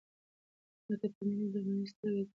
ما ته په مینه او درناوي سره وگوره.